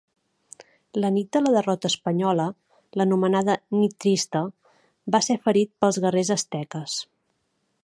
La nit de la derrota espanyola, l'anomenada Nit Trista, va ser ferit pels guerrers asteques.